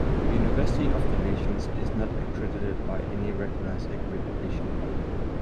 University of the Nations is not accredited by any recognized accreditation body.